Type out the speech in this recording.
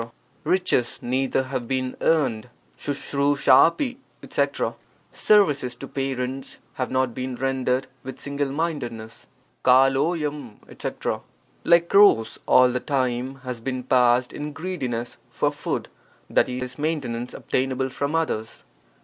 — Riches neither have been earned. ^9^1 ft etc. — Services to parents have not been rendered with single mindedness. <*idl5^f etc. — Like crows, all the time has been passed in greediness for food, i.e., maintenance obtainable from others.